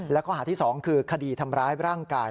และข้อหาที่๒คือคดีทำร้ายร่างกาย